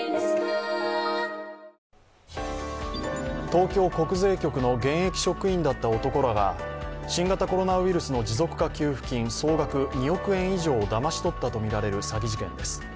東京国税局の現役職員だった男らが新型コロナウイルスの持続化給付金総額２億円以上をだまし取ったとみられる詐欺事件です。